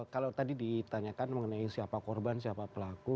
kalau tadi ditanyakan mengenai siapa korban siapa pelaku